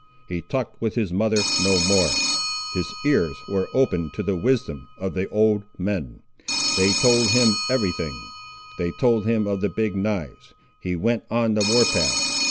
He talked with his mother no more. His ears were open to the wisdom of the old men. They told him every thing—they told him of the Big knives. He went on the war path.